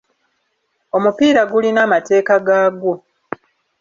Omupira gulina amateeka gaagwo.